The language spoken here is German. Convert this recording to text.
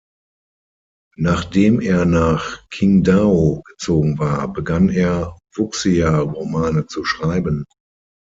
Nachdem er nach Qingdao gezogen war, begann er, Wuxia-Romane zu schreiben.